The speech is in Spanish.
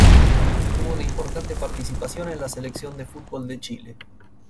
Tuvo una importante participación con la Selección de fútbol de Chile.